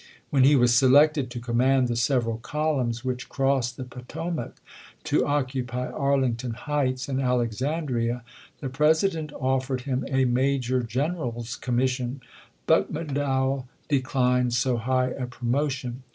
When he was selected to command the several columns which crossed the Potomac to occupy Arlington Heights and Alexandria, the President offered him a major general's commission, but McDowell declined so high a promotion.